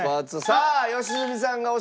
さあ良純さんが押した！